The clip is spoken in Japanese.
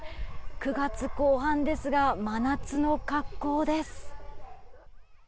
９月後半ですが真夏の格好です。